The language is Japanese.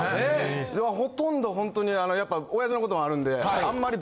ほとんどホントにやっぱオヤジのこともあるんであんまり。